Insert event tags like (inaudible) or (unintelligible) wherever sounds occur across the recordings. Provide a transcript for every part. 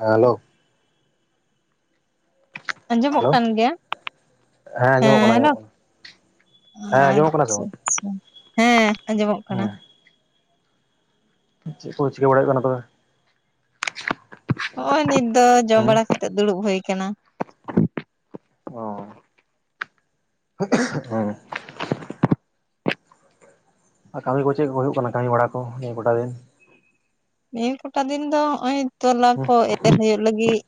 Hello. ᱟᱸᱡᱚᱢᱚᱜ hello ᱠᱟᱱ ᱜᱮᱭᱟ ᱦᱮᱸ ᱟᱸᱡᱚᱢᱚᱜ ᱠᱟᱱᱟ ᱟᱸᱡᱚᱢᱚᱜ ᱠᱟᱱᱟ᱾ ᱦᱮᱸ ᱟᱸᱡᱚᱢᱚᱜ ᱠᱟᱱᱟ ᱥᱮ ᱟᱪᱪᱷᱟ ᱵᱟᱝ? ᱟᱪᱪᱷᱟ ᱦᱮᱸ ᱟᱸᱡᱚᱢᱚᱜ ᱠᱟᱱᱟ᱾ ᱦᱮᱸ ᱪᱮᱫ ᱠᱚ ᱪᱤᱠᱟᱹ ᱵᱟᱲᱟᱭᱮᱜ ᱠᱟᱱᱟ ᱛᱚᱵᱮ? ᱦᱚᱸᱜᱼᱚᱭ ᱱᱤᱛ ᱫᱚ ᱡᱚᱢ ᱦᱮᱸ ᱵᱟᱲᱟ ᱠᱟᱛᱮᱜ ᱫᱩᱲᱩᱵ ᱦᱩᱭ ᱠᱟᱱᱟ᱾ ᱚ ᱦᱮᱸ᱾ ᱟᱨ ᱠᱟᱹᱢᱤ ᱠᱚ ᱪᱮᱫ ᱠᱚ ᱦᱩᱭᱩᱜ ᱠᱟᱱᱟ ᱠᱟᱹᱢᱤ ᱵᱟᱲᱟ ᱠᱚ ᱱᱤᱭᱟᱹ ᱠᱚᱴᱟ ᱫᱤᱱ? ᱱᱤᱭᱟᱹ ᱠᱚᱴᱟ ᱫᱤᱱ ᱫᱚ ᱱᱚᱜᱼᱚᱭ ᱛᱚᱞᱟ ᱦᱮᱸ ᱠᱚ ᱮᱨ ᱦᱩᱭᱩᱜᱳᱜ ᱞᱟᱹᱜᱤᱫ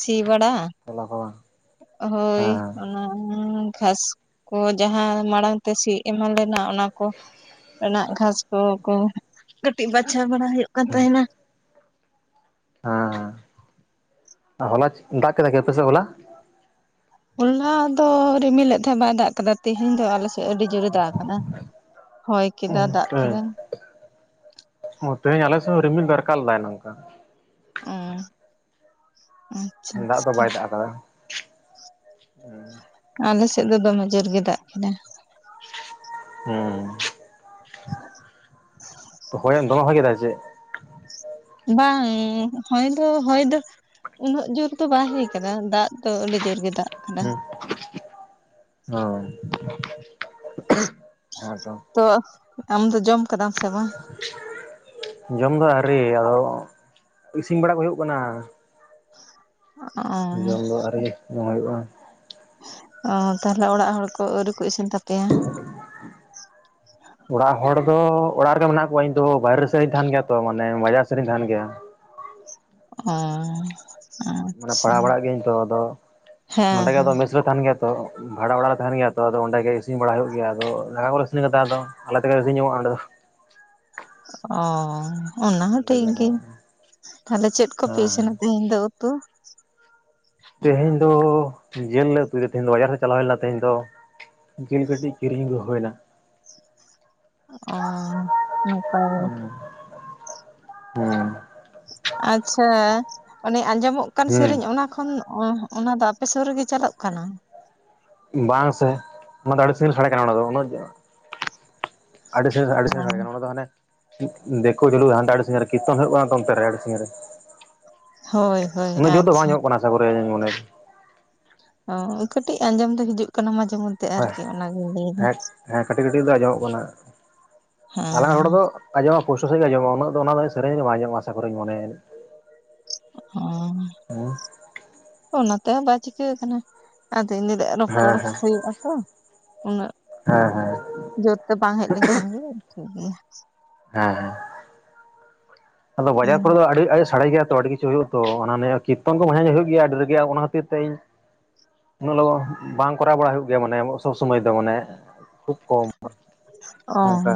ᱥᱤ ᱵᱟᱲᱟ ᱛᱚᱞᱟ ᱠᱚ ᱵᱟᱝ? ᱦᱳᱭ᱾ ᱦᱮᱸ ᱚᱱᱟ ᱠᱷᱟᱥ ᱠᱚ ᱡᱟᱦᱟᱸ ᱢᱟᱲᱟᱝ ᱛᱮ ᱥᱤ ᱮᱢᱟᱱ ᱞᱮᱱᱟ, ᱚᱱᱟ ᱠᱚ ᱮᱱᱟᱜ ᱜᱷᱟᱸᱥ ᱠᱚ-ᱠᱚ ᱠᱟᱹᱴᱤᱡ ᱵᱟᱪᱷᱟᱣ ᱵᱟᱲᱟ ᱦᱩᱭᱩᱜ ᱠᱟᱱ ᱛᱟᱦᱮᱱᱟ᱾ ᱟᱸ ᱦᱚᱞᱟ ᱪᱮᱜ ᱫᱟᱜ ᱠᱮᱫᱟ ᱠᱤ, ᱟᱯᱮ ᱥᱮᱜ ᱦᱚᱞᱟ? ᱦᱚᱞᱞᱟ ᱫᱚ ᱨᱤᱢᱤᱞᱮᱜ ᱛᱷᱮᱸᱜ ᱵᱟᱭ ᱫᱟᱜ ᱠᱟᱫᱟ᱾ ᱛᱮᱦᱮᱧ ᱫᱚ ᱟᱞᱮ ᱥᱮᱜ ᱟᱹᱰᱤ ᱡᱳᱨᱮ ᱫᱟᱜ ᱟᱠᱟᱫᱟ᱾ ᱩᱸ ᱴᱮᱸ ᱚᱸ ᱛᱮᱦᱮᱧ ᱟᱞᱮ ᱥᱮᱣ ᱨᱤᱢᱤᱞ ᱫᱚ ᱨᱟᱠᱟᱞ ᱫᱟᱭ ᱱᱟᱝᱠᱟ᱾ ᱩᱸ᱾ ᱫᱟᱜ ᱫᱚ, ᱵᱟᱭ ᱫᱟᱜ ᱠᱟᱫᱟ᱾ ᱟᱺ᱾ ᱟᱞᱮ ᱥᱮᱜ ᱫᱚ ᱫᱚᱢᱮ ᱡᱳᱨ ᱜᱮ ᱫᱟᱜ ᱠᱮᱫᱟ᱾ ᱩᱸ ᱦᱚᱭ ᱫᱚᱢᱮ ᱦᱚᱭ ᱠᱮᱫᱟ ᱥᱮ ᱪᱮᱜ? ᱵᱟᱝ ᱦᱚᱭ ᱫᱚ, ᱦᱚᱭ ᱫᱚ ᱩᱱᱟᱹᱜ ᱡᱳᱨ ᱫᱚ ᱵᱟᱭ ᱦᱚᱭ ᱠᱟᱫᱟ᱾ ᱫᱟᱜ ᱫᱚ, ᱟᱹᱰᱤ ᱡᱳᱨ ᱜᱮ ᱫᱟᱜ ᱟᱠᱟᱫᱟ ᱦᱩᱸ, ᱚ᱾ ᱟᱫᱚ ᱛᱚ ᱟᱢ ᱫᱚ ᱡᱚᱢ ᱠᱟᱫᱟᱢ ᱥᱮ ᱵᱟ? ᱡᱚᱢ ᱫᱚ ᱟᱣᱨᱤ ᱟᱫᱚ ᱤᱥᱤᱝ ᱵᱟᱲᱟ ᱠᱚ ᱦᱩᱭᱩᱜ ᱠᱟᱱᱟ᱾ ᱚᱸ᱾ ᱡᱚᱢ ᱫᱚ ᱟᱣᱨᱤ ᱡᱚᱢ ᱦᱩᱭᱩᱜᱼᱟ᱾ ᱚᱸ ᱛᱟᱦᱞᱮ ᱚᱲᱟᱜ ᱦᱚᱲ ᱠᱚ, ᱟᱹᱣᱨᱤ ᱠᱚ ᱤᱥᱤᱱ ᱛᱟᱯᱮᱭᱟ? ᱚᱲᱟᱜ ᱦᱚᱲ ᱫᱚ ᱚᱲᱟᱜ ᱨᱮᱜᱮ ᱢᱮᱱᱟᱜ ᱠᱚᱣᱟ᱾ ᱤᱧ ᱫᱚ ᱦᱚ ᱵᱟᱭᱨᱮ ᱥᱮᱜᱼᱤ ᱛᱟᱦᱮᱱ ᱜᱮᱭᱟ ᱛᱚ, ᱢᱟᱱᱮ ᱵᱟᱡᱟᱨ ᱥᱮᱜ ᱨᱤᱧ ᱛᱟᱦᱮᱱ ᱜᱮᱭᱟ᱾ ᱦᱮᱸ᱾ ᱢᱟᱱᱮ ᱯᱟᱲᱟᱣ ᱵᱟᱲᱟᱜ ᱜᱤᱭᱟᱹᱧ ᱛᱚ᱾ ᱟᱫᱚ ᱦᱮᱸ ᱱᱚᱰᱮ ᱜᱮ ᱦᱮᱸ ᱟᱫᱚ ᱢᱮᱥ ᱨᱮ ᱛᱟᱦᱮᱱ ᱜᱮᱭᱟ ᱛᱚ᱾ ᱵᱷᱟᱲᱟ ᱚᱲᱟᱜ ᱨᱮ ᱛᱟᱦᱮᱱ ᱜᱮᱭᱟ ᱛᱚ᱾ ᱟᱫᱚ ᱚᱸᱰᱮ ᱜᱮ ᱤᱥᱤᱝ ᱵᱟᱲᱟ ᱦᱩᱭᱩᱜ ᱜᱮᱭᱟ᱾ ᱟᱫᱚ ᱨᱟᱝᱟ ᱠᱚᱨᱮ ᱥᱤᱱ ᱠᱟᱫᱟ᱾ ᱟᱫᱚ ᱟᱞᱮ ᱛᱮᱜᱮ ᱤᱥᱤᱱ ᱡᱚᱝᱚᱜᱼᱟ ᱚᱸᱰᱮ ᱫᱚ᱾ ᱚ, ᱚᱱᱟ ᱦᱚᱸ ᱴᱤᱠ ᱫᱚ ᱜᱤ, ᱛᱷᱟᱞᱮ ᱪᱮᱫ ᱠᱚᱯᱮ ᱦᱮᱸ ᱤᱥᱤᱱᱟ? ᱛᱤᱧ ᱫᱚ ᱩᱛᱩ? ᱛᱮᱦᱮᱧ ᱫᱚ ᱡᱮᱹᱞ ᱞᱮ ᱩᱛᱩᱭ ᱫᱟ᱾ ᱛᱮᱦᱮᱧ ᱫᱚ ᱵᱟᱡᱟᱨ ᱦᱮᱜ ᱪᱟᱞᱟᱣ ᱦᱩᱭ ᱞᱮᱱᱟ, ᱛᱮᱦᱮᱧ ᱫᱚ᱾ ᱡᱤᱞ ᱠᱟᱹᱴᱤᱡ ᱠᱤᱨᱤᱧ ᱜᱩ ᱦᱩᱭᱱᱟ᱾ ᱚᱸ, ᱱᱟᱯᱟᱭ ᱜᱮ᱾ ᱦᱩᱸ᱾ ᱟᱪᱪᱷᱟ, ᱚᱱᱮ ᱟᱸᱡᱚᱢᱚᱜ ᱠᱟᱱ ᱦᱮᱸ ᱥᱮᱨᱮᱧ, ᱚᱱᱟ ᱠᱷᱚᱱ ᱚᱸᱦ ᱚᱱᱟ ᱫᱚ ᱟᱯᱮ ᱥᱩᱨ ᱨᱮᱜᱮ ᱪᱟᱞᱳᱜ ᱠᱟᱱᱟ? ᱵᱟᱝ ᱥᱮ, ᱚᱱᱟ ᱫᱚ ᱟᱹᱰᱤ ᱥᱟᱺᱜᱤᱸ ᱨᱮ ᱥᱟᱰᱮ ᱠᱟᱱᱟ, ᱚᱱᱟ ᱫᱚ ᱩᱱᱟᱹᱜ ᱡᱳ ᱟᱰᱤ ᱥᱟᱺᱜᱤ ᱨᱮ, ᱟᱰᱤ ᱚ ᱥᱟᱺᱜᱤᱧ ᱨᱮ ᱥᱟᱰᱮ ᱠᱟᱱᱟ᱾ ᱚᱱᱟ ᱫᱚ ᱦᱟᱱᱮ ᱫᱤᱜ ᱫᱮᱠᱳ ᱪᱟᱞᱩ ᱦᱟᱱᱛᱮ ᱟᱰᱤ ᱥᱟᱺᱜᱤᱸ ᱨᱮ ᱠᱤᱨᱛᱚᱱ ᱦᱩᱭᱩᱜ ᱠᱟᱱᱟ ᱛᱚ ᱚᱱᱛᱮ ᱨᱮ ᱟᱰᱤ ᱥᱟᱺᱜᱤᱧ ᱨᱮ᱾ ᱦᱳᱭ ᱦᱳᱭ ᱩᱱᱟᱹᱜ ᱡᱳᱨ ᱫᱚ ᱟᱪᱪᱷᱟ ᱵᱟᱝ ᱟᱸᱡᱚᱢᱚᱜ ᱠᱟᱱᱟ, (inaudible) ᱚᱸ ᱠᱟᱹᱴᱤᱡ ᱟᱸᱡᱚᱢ ᱫᱚ ᱦᱤᱡᱩᱜ ᱠᱟᱱᱟ ᱢᱟᱡᱮ ᱢᱚᱫ ᱮᱸᱦ ᱦᱮᱸᱠ ᱦᱮᱸ, ᱠᱟᱹᱴᱤᱜ-ᱠᱟᱹᱴᱤᱜ ᱫᱚ ᱟᱸᱡᱚᱢᱚᱜ ᱠᱟᱱᱟ, ᱟᱞᱟᱝᱟᱜ ᱦᱮᱸ ᱨᱚᱲ ᱫᱚ ᱟᱸᱡᱚᱢᱚᱜ ᱯᱩᱥᱴᱚ ᱥᱟᱺᱦᱤᱡ ᱜᱮ ᱟᱸᱡᱚᱢᱚᱜᱼᱟ᱾ ᱩᱱᱟᱹᱜ ᱫᱚ ᱚᱱᱟ ᱫᱚᱭ ᱥᱮᱨᱮᱧ ᱵᱟᱝ ᱟᱸᱡᱚᱢᱚᱜᱼᱟ, ᱟᱥᱟᱠᱚᱨᱮᱧ ᱢᱚᱱᱮᱭᱮᱫᱟ᱾ ᱮᱸ, ᱚᱱᱟ ᱛᱮ ᱵᱟᱭ ᱪᱤᱠᱟᱹ ᱠᱟᱱᱟ, ᱟᱫᱚ ᱤᱱᱟᱹ ᱛᱮᱜ ᱦᱮᱸ ᱨᱚᱯᱚᱲ ᱦᱮᱸ ᱦᱩᱭᱩᱜᱼᱟ ᱛᱚ, ᱩᱱᱟᱹᱜ ᱦᱮᱸ ᱡᱳᱨ ᱛᱮ ᱵᱟᱝ ᱦᱮᱡ ᱞᱮᱝ ᱠᱷᱟᱱ ᱜᱮ ᱴᱷᱤᱠ ᱜᱮᱭᱟ᱾ ᱦᱮᱸ, ᱦᱮᱸ᱾ ᱟᱫᱚ ᱵᱟᱡᱟᱨ ᱠᱚᱨᱮ ᱫᱚ ᱟᱹᱰᱤ ᱟᱭᱤᱥ ᱥᱟᱰᱮ ᱜᱮᱭᱟ ᱛᱚ ᱟᱹᱰᱤ ᱠᱤᱪᱷᱩ ᱦᱩᱭᱩᱜᱼᱟ ᱛᱚ ᱟᱱᱟ ᱱᱤᱭᱮ ᱠᱤᱛᱛᱚᱱ ᱠᱚ ᱢᱟᱧᱮ-ᱢᱟᱧᱮ ᱦᱩᱭᱩᱜ ᱜᱮᱭᱟ ᱟᱹᱰᱤ ᱨᱟᱹᱜᱤ ᱟ ᱚᱱᱟ ᱛᱤᱨ ᱛᱮ ᱤᱧ ᱩᱱᱟᱹᱜ ᱞᱚᱜᱚᱱ ᱵᱟᱝ ᱠᱚᱨᱟᱣ ᱵᱟᱲᱟ ᱦᱩᱭᱩᱜ ᱜᱮᱭᱟ ᱢᱟᱱᱮ ᱥᱚᱵᱽ ᱥᱚᱢᱚᱭ ᱫᱚ ᱢᱟᱱᱮ ᱠᱷᱩᱵ ᱠᱚᱢ᱾ ᱚ ᱚᱱᱠᱟᱼᱼ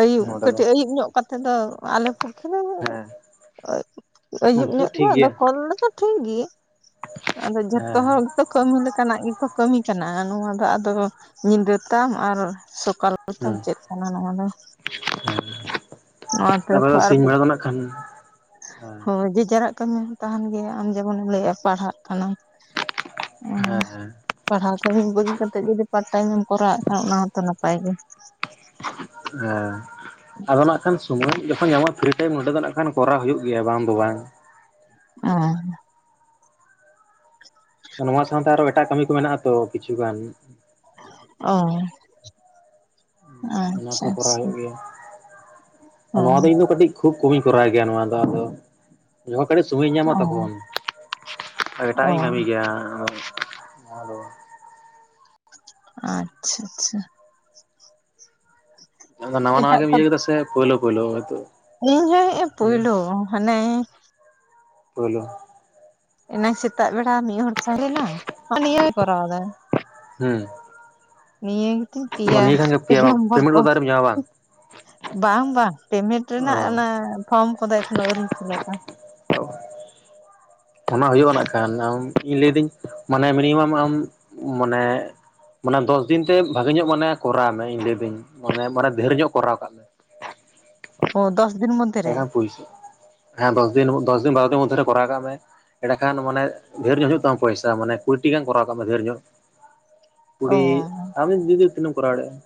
ᱟᱹᱭᱩᱵ ᱠᱟᱹᱴᱤᱡ ᱟᱹᱭᱩᱵ ᱧᱚᱜ ᱠᱟᱛᱮ ᱫᱚ ᱟᱞᱮ ᱯᱚᱠᱠᱷᱮ ᱫᱚᱼᱼ ᱦᱮᱸ ᱾ ᱟᱹᱭᱩᱵ ᱧᱚᱜ ᱜᱮ ᱟᱫᱚ ᱠᱚᱞ ᱨᱮᱫᱚ ᱴᱷᱤᱠ ᱜᱮᱭᱟ᱾ ᱟᱫᱚ ᱡᱚᱛᱚ ᱦᱮᱸ ᱦᱚᱲᱼᱼ ᱠᱟᱹᱢᱤ ᱞᱮᱠᱟᱱᱟᱜ ᱜᱮᱠᱚ ᱠᱟᱹᱢᱤ ᱠᱟᱱᱟ ᱱᱚᱣᱟ ᱫᱚ ᱟᱫᱚ ᱧᱤᱫᱟᱹ ᱛᱟᱢ ᱟᱨ ᱥᱚᱠᱟᱞᱼᱼ ᱯᱨᱚᱛᱚᱢ ᱪᱮᱫ ᱠᱟᱱᱟ ᱱᱚᱣᱟ ᱫᱚᱼᱼ ᱦᱮᱸ ᱛᱮ ᱛᱟᱨᱯᱚᱨᱮ ᱟᱨ ᱥᱤᱧ ᱵᱮᱲᱟ ᱫᱚ ᱱᱟᱜ ᱠᱷᱟᱱᱼᱼ ᱦᱳᱭ ᱡ ᱡᱟᱨᱟᱜ ᱠᱟᱹᱢᱤ ᱦᱚᱸ ᱛᱟᱦᱮᱱ ᱜᱮᱭᱟ ᱟᱢ ᱡᱮᱢᱚᱱᱮᱢ ᱞᱟᱹᱭᱮᱜᱼᱟ ᱯᱟᱲᱦᱟᱜ ᱠᱟᱱᱟᱢ᱾ ᱦᱮᱸᱮᱸ ᱯᱟᱲᱦᱟᱣ ᱠᱟᱛᱮ ᱵᱟᱹᱜᱤ ᱠᱟᱛᱮ ᱡᱩᱫᱤ ᱯᱟᱨᱴ ᱴᱟᱭᱤᱢᱢ ᱠᱚᱨᱟᱣᱮᱫ ᱠᱷᱟᱱ ᱚᱱᱟ ᱦᱚᱸᱛᱚ ᱱᱟᱯᱟᱭ ᱜᱮ, ᱦᱮᱸ ᱟᱫᱚ ᱱᱟᱜ ᱠᱷᱟᱱ ᱥᱚᱢᱚᱭ ᱡᱚᱠᱷᱚᱱ ᱧᱟᱢᱚᱜ ᱯᱷᱨᱤ ᱴᱟᱭᱤᱢ ᱱᱚᱸᱰᱮ ᱫᱚ ᱱᱟᱜ ᱠᱷᱟᱱ ᱠᱚᱨᱟᱣ ᱦᱩᱭᱩᱜ ᱜᱮᱭᱟ ᱵᱟᱝ ᱫᱚ ᱵᱟᱝ ᱚᱻ ᱱᱚᱣᱟ ᱥᱟᱶᱛᱮ ᱟᱨᱚ ᱮᱴᱟᱜ ᱠᱟᱹᱢᱤ ᱠᱚ ᱢᱮᱱᱟᱜ ᱟᱛᱚ ᱠᱤᱪᱷᱩ ᱜᱟᱱ᱾ ᱚ ᱚᱱᱟ ᱟᱪᱪᱷᱟ ᱠᱚ ᱟᱪᱷᱟ᱾ ᱠᱚᱨᱟᱣ ᱦᱩᱭᱩᱜ ᱜᱮᱭᱟ ᱱᱚᱣᱟ ᱫᱚ ᱤᱧ ᱫᱚ ᱠᱟᱹᱴᱤᱡ ᱠᱷᱩᱵ ᱠᱚᱢᱤᱧ ᱠᱚᱨᱟᱣ ᱜᱮᱭᱟ ᱱᱚᱣᱟ ᱫᱚ ᱟᱫᱚ᱾ ᱡᱚᱦᱚ ᱠᱟᱹᱴᱤᱡ ᱥᱩᱢᱚᱭᱤᱧ ᱧᱟᱢᱟ ᱛᱚᱠᱷᱚᱱ ᱮᱴᱟᱜ ᱚ ᱤᱧ ᱠᱟᱹᱢᱤ ᱜᱮᱮᱭᱟ᱾ ᱟ ᱫᱚᱼᱼ ᱟᱪᱪᱷᱟ ᱟᱪᱪᱷᱟ᱾ ᱟᱫᱚ ᱱᱟᱣᱟ ᱱᱟᱣᱟ ᱮᱴᱟᱜ ᱠᱚ ᱜᱮᱤᱭᱟᱹ ᱛ ᱥᱮ ᱯᱳᱞ ᱯᱭᱞ ᱤᱧ ᱦᱮ ᱯᱳᱞᱩ ᱢᱟᱱᱮᱼᱼ ᱵᱞᱩ ᱮᱱᱟ ᱥᱮᱛᱟᱜ ᱵᱮᱲᱟ ᱢᱤᱫ ᱦᱚᱲᱚᱲ ᱛᱟᱦᱮᱸᱱᱟ ᱟᱨ ᱱᱤᱭ ᱠᱚᱨᱟᱣ ᱮᱫᱟ᱾ ᱦᱮᱸ ᱱᱤᱭᱟᱹ ᱜᱮᱛᱤᱧ ᱯᱭᱟ ᱠᱷᱟᱱ ᱜᱮ ᱯᱮ ᱯᱮᱭᱟ ᱱᱚᱢᱵᱚᱨ ᱯᱮᱢᱮᱱᱴ ᱠᱚᱞᱼᱼ ᱠᱚᱫᱚ ᱟᱹᱣᱨᱤᱢ ᱧᱟᱢᱟ ᱵᱟᱝ ᱵᱟᱝ ᱵᱟᱝ ᱯᱮᱢᱮᱱᱴ ᱚ ᱨᱮᱱᱟᱜ ᱚᱱᱟ ᱯᱷᱚᱨᱚᱢ ᱠᱚᱫᱚ ᱮᱠᱷᱚᱱᱳ ᱟᱹᱣᱨᱤᱧ ᱯᱷᱤᱞᱟᱯᱼᱟ᱾ (unintelligible) ᱚᱱᱟ ᱦᱩᱭᱩᱜᱼᱟ ᱠᱷᱟᱱ ᱤᱧ ᱞᱟᱹᱭᱫᱟᱹᱧ ᱢᱟᱱᱮ ᱢᱤᱱᱤᱢᱟᱢ ᱟᱢ ᱢᱟᱱᱮᱼᱼ ᱢᱟᱱᱮ ᱫᱚᱥ ᱫᱤᱱ ᱛᱮ ᱵᱷᱟᱜᱮ ᱧᱚᱜ ᱢᱟᱱᱮ ᱠᱚᱨᱟᱣ ᱢᱮ ᱤᱧ ᱞᱟᱹᱭᱫᱟᱹᱧ ᱢᱟᱱᱮ ᱢᱟᱱᱮ ᱰᱷᱮᱨ ᱧᱚᱜ ᱠᱚᱨᱟᱣ ᱠᱟᱜ ᱢᱮᱼᱼ ᱚ ᱫᱚᱥ ᱫᱤᱱ ᱢᱚᱫᱮᱼᱼ ᱮᱰᱮᱠᱷᱟᱱ ᱯᱩᱭᱥᱟ ᱦᱮᱸ ᱫᱚᱥ ᱫᱤᱱ ᱫᱚᱥ ᱫᱤᱱ ᱵᱟᱨᱚ ᱫᱤᱱ ᱢᱚᱫᱽᱫᱷᱮ ᱨᱮ ᱠᱚᱨᱟᱣ ᱠᱟᱜ ᱢᱮ᱾ ᱮᱸᱰᱮ ᱠᱷᱟᱱᱮ ᱰᱷᱮᱨ ᱧᱚᱜ ᱦᱩᱭᱩᱜ ᱛᱟᱢ ᱯᱚᱭᱥᱟ ᱢᱟᱱᱮ ᱠᱩᱤᱴᱤ ᱜᱟᱱ ᱠᱚᱨᱟᱣ ᱠᱟᱜ ᱢᱮ ᱰᱷᱮᱨ ᱧᱚᱜ᱾ ᱠᱩᱲᱤ ᱚ ᱟᱢ ᱫᱤᱫᱤ ᱛᱤᱱᱟᱹ ᱮᱢ ᱠᱚᱨᱟᱣ ᱫᱟᱲᱮᱭᱟᱜᱼᱟ᱾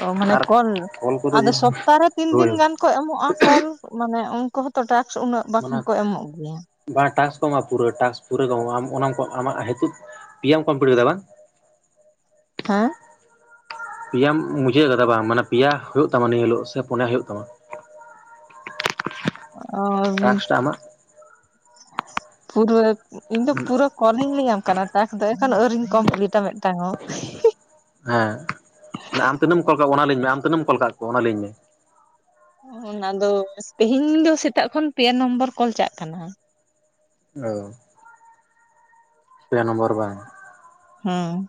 ᱚ ᱢᱟᱱᱮ ᱟᱨ ᱠᱚᱞ ᱚᱞ ᱠᱚᱫᱚ ᱟᱫᱚ ᱥᱚᱯᱛᱟᱦᱮ ᱛᱤᱱ ᱦᱳᱭ ᱫᱤᱱ ᱜᱟᱱᱼᱼ ᱠᱚ ᱮᱢᱚᱜᱼᱟ ᱠᱚᱞ ᱢᱟᱱᱮ ᱩᱱᱠᱩ ᱦᱚᱸᱛᱚ ᱴᱨᱟᱠᱥ ᱩᱱᱟᱹᱜ ᱵᱟᱝ ᱢᱟᱱᱮ ᱠᱚ ᱮᱢᱚᱜ ᱜᱮᱭᱟ᱾ ᱵᱟᱝ ᱴᱟᱥ ᱠᱚ ᱮᱢᱚᱜᱼᱟ ᱯᱩᱨᱟᱹ ᱴ ᱯᱩᱨᱟᱹᱚᱜ ᱟᱢ ᱚᱱᱟ ᱟᱢᱟᱜ ᱦᱤᱛ ᱯᱮ ᱮᱢ ᱠᱚᱢᱯᱞᱤᱴ ᱠᱟᱫᱟ ᱵᱟᱝ? ᱦᱮᱸ ᱯᱮᱭᱟᱟᱢ ᱵᱩᱡᱷᱟᱹᱣ ᱠᱟᱫᱟ ᱵᱟᱝ ᱢᱟᱱᱮ ᱯᱮᱭᱟ ᱦᱩᱭᱩᱜ ᱛᱟᱢᱟ ᱤᱱᱟᱹ ᱦᱤᱞᱳᱜ ᱥᱮ ᱯᱚᱱᱭᱟ ᱦᱩᱭᱩᱜ ᱛᱟᱢᱟ᱾ ᱟᱨ ᱴᱟᱠᱥᱴᱟ ᱟᱢᱟᱜ ᱯᱩᱨᱼᱼ ᱤᱧ ᱫᱚ ᱯᱩᱨᱟᱹ ᱠᱚᱞᱤᱝ ᱞᱤᱧ ᱮᱢᱟᱢ ᱟᱠᱟᱱᱟ ᱴᱟᱠ ᱫᱚ ᱮᱠᱷᱚᱱ ᱟᱹᱣᱨᱤᱧ ᱠᱚᱢᱯᱞᱤᱤᱴᱟ ᱢᱤᱫ ᱴᱟᱝ ᱦᱚᱸ ᱦᱮᱸ ᱟᱢ ᱛᱤᱱᱟᱹᱜ ᱮᱢ ᱠᱚᱞ ᱠᱟᱜ ᱚᱱᱟ ᱞᱟᱹᱭᱧ ᱢᱮ ᱟᱢ ᱛᱤᱱᱟᱹᱜ ᱮᱢ ᱠᱚᱞ ᱠᱟᱜ ᱠᱚᱣᱟ ᱚᱱᱟ ᱞᱟᱹᱭᱧ ᱢᱮ? ᱚᱱᱟᱫᱚ ᱛᱮᱦᱮᱧ ᱫᱚ ᱥᱮᱛᱟᱜ ᱠᱷᱚᱱ ᱯᱮ ᱱᱚᱢᱵᱚᱨ ᱠᱚᱞ ᱪᱟᱜ ᱠᱟᱱᱟ᱾ ᱚ ᱯᱮ ᱱᱚᱢᱵᱚᱨ ᱵᱟᱝ? ᱦᱩᱸ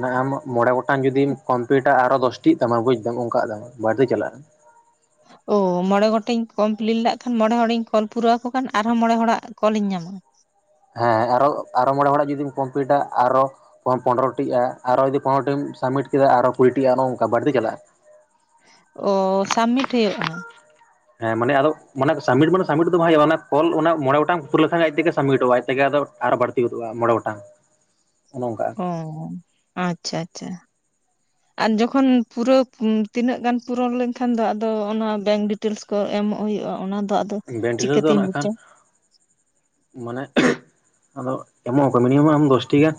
ᱢᱟᱱᱮ ᱟᱢ ᱢᱚᱬᱮ ᱜᱚᱴᱟᱝ ᱡᱩᱫᱤᱢ ᱠᱚᱢᱯᱤᱭᱩᱴᱟ ᱟᱨᱚ ᱫᱚᱥᱴᱤᱜ ᱛᱟᱢᱟ ᱵᱩᱡᱫᱟᱢ ᱚᱱᱠᱟᱟᱜ ᱛᱟᱢᱟ ᱵᱟᱹᱲᱛᱤ ᱪᱟᱞᱟᱜᱼᱟ ᱳ ᱢᱚᱬᱮ ᱜᱚᱴᱮᱡ ᱠᱚᱢᱯᱤᱞᱴ ᱞᱮᱟᱜ ᱠᱷᱟᱱ ᱢᱚᱬᱮ ᱦᱚᱲᱤᱧ ᱠᱚᱞ ᱯᱩᱨᱟᱹᱣᱚ ᱠᱷᱟᱱ ᱟᱨᱦᱚᱸ ᱢᱚᱬᱮ ᱦᱚᱲᱟᱜ ᱠᱚᱞ ᱤᱧ ᱧᱟᱢᱟ ᱦᱮᱸ ᱟᱨᱚ ᱟᱨᱚ ᱢᱚᱬᱮ ᱦᱚᱲᱟᱜ ᱡᱩᱫᱤᱢ ᱠᱚᱢᱯᱞᱤᱴᱟ ᱟᱨᱚ ᱯᱚᱱᱨᱚᱴᱤᱜ ᱟᱨᱚ ᱡᱩᱫᱤ ᱯᱚᱱᱨᱚᱴᱤᱢ ᱥᱟᱵᱢᱤᱴ ᱠᱮᱫᱟ ᱟᱨᱚ ᱠᱩᱲᱤᱜ ᱱᱚᱜᱼᱚ ᱱᱚᱝᱠᱟ ᱵᱟᱹᱲᱛᱤ ᱪᱟᱞᱟᱜᱼᱟ ᱚᱻ ᱥᱟᱵᱢᱤᱴ ᱦᱩᱭᱩᱜᱼᱟ ᱦᱮᱸ ᱢᱟᱱᱮ ᱟᱫᱚᱮ ᱥᱟᱵᱢᱤᱴ ᱢᱟᱱᱮ ᱥᱟᱢᱤᱴ ᱫᱚ ᱵᱟᱭ ᱦᱩᱭᱩᱜᱼᱟ ᱚᱱᱟ ᱠᱚᱞ ᱚᱱᱟ ᱢᱚᱬ ᱜᱚᱴᱟᱝ ᱯᱩᱨᱟ. ᱣ ᱞᱮᱠᱷᱟᱡ ᱟᱡ ᱛᱮᱜᱮ ᱥᱟᱵᱢᱤᱴᱚᱜᱼᱟ ᱟᱡᱛᱮᱜᱮ ᱟᱫᱚ ᱟᱨᱚ ᱵᱟᱹᱲᱛᱤ ᱜᱚᱫᱚᱜᱼᱟ ᱢᱚᱬᱮ ᱜᱚᱴᱟᱝ ᱚᱱᱮ ᱚᱱᱠᱟ ᱚ ᱟᱪᱪᱷᱟ ᱟᱪᱪᱷᱟ ᱟᱨ ᱡᱚᱠᱷᱚᱱ ᱯᱩᱨᱟᱹᱣ ᱛᱤᱱᱟᱹᱜ ᱜᱟᱱ ᱯᱩᱨᱟᱹᱣ ᱞᱮᱱᱠᱷᱟᱱ ᱫᱚ ᱟᱫᱚ ᱚᱱᱟ ᱵᱮᱝᱠ ᱰᱤ ᱴᱮᱞᱥ ᱠᱚ ᱮᱢᱚᱜ ᱦᱩᱭᱩᱜᱼᱟ ᱚᱱᱟ ᱫᱚ ᱵᱮᱝᱠ ᱰᱤᱴᱤᱭᱮᱞ ᱫᱚ ᱪᱤᱠᱟᱹᱛᱤᱧ ᱱᱟᱜ ᱠᱷᱟᱱ ᱵᱩᱡᱟ ᱢᱟᱱᱮ ᱟᱫᱚ ᱮᱢᱚᱜ ᱟᱠᱚ ᱢᱤᱱᱤᱢᱟᱢ ᱟᱢ ᱫᱚᱥᱴᱤᱜᱟᱱ